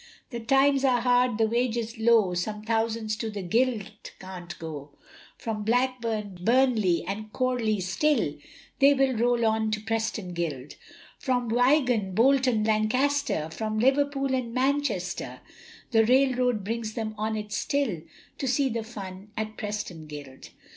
The times are hard, the wages low, Some thousands to the Guild can't go, From Blackburn, Burnley, and Chorley still, They will roll on to Preston Guild, From Wigan, Bolton, Lancaster, From Liverpool and Manchester, The Railroad brings them on it still, To see the fun at Preston Guild.